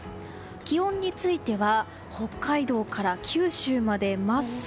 気温については北海道から九州まで真っ青。